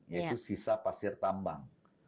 yaitu sisa pasir tambang